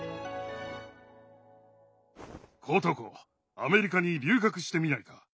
アメリカに留学してみないか？